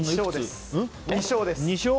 ２勝です。